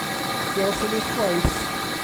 Diolch am eich gwaith.